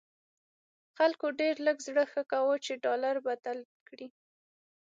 خلکو ډېر لږ زړه ښه کاوه چې ډالر بدل کړي.